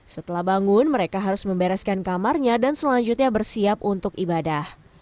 setelah bangun mereka harus membereskan kamarnya dan selanjutnya bersiap untuk ibadah